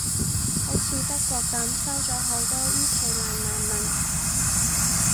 好似德國噉，收咗好多伊期蘭難民